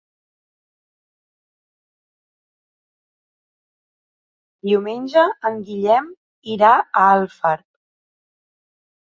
Diumenge en Guillem irà a Alfarb.